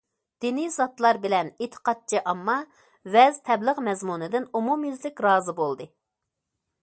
دىنىي زاتلار بىلەن ئېتىقادچى ئامما ۋەز- تەبلىغ مەزمۇنىدىن ئومۇميۈزلۈك رازى بولدى.